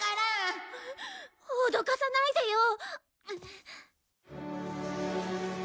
脅かさないでよ！